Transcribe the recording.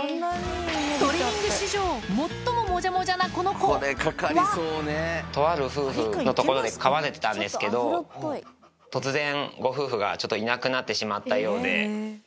トリミング史上、とある夫婦の所で飼われてたんですけど、突然ご夫婦がちょっといなくなってしまったようで。